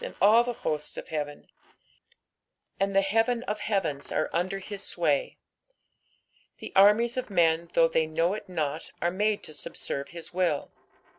snd all the hosts of heaven ; and the heaven of heavens are under his sway. The nrmies of men though they know it not are made to subeerve his will.